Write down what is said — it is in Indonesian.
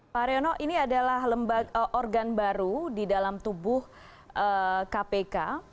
pak haryono ini adalah lembaga organ baru di dalam tubuh kpk